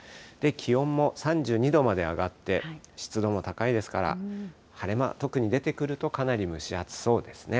気温も３２度まで上がって、湿度も高いですから、晴れ間、特に出てくるとかなり蒸し暑そうですね。